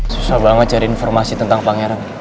susah banget cari informasi tentang pangeran